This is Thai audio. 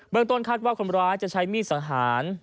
เมืองต้นคาดว่าคนร้ายจะใช้มีดสังหาร